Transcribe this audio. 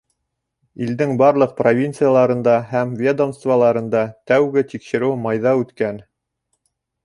Илдең барлыҡ провинцияларында һәм ведомстволарында тәүге тикшереү майҙа үткән.